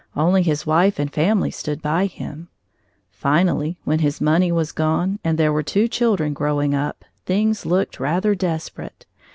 Only his wife and family stood by him. Finally when his money was gone, and there were two children growing up, things looked rather desperate.